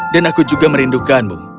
dan aku juga merindukanmu